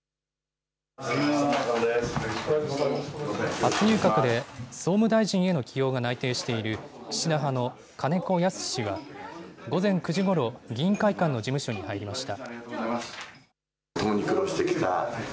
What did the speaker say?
初入閣で、総務大臣への起用が内定している岸田派の金子恭之氏は午前９時ごろ、議員会館の事務所に入りました。